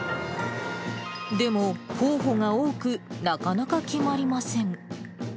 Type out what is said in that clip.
でも、候補が多く、なかなか決まりません。